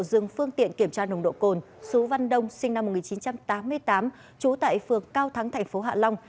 dừng phương tiện kiểm tra nồng độ cồn sú văn đông sinh năm một nghìn chín trăm tám mươi tám